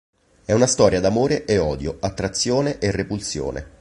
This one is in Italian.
E' una storia d'amore e odio, attrazione e repulsione.